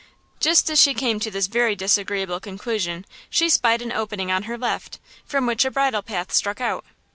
Just as she came to this very disagreeable conclusion she spied an opening on her left, from which a bridle path struck out.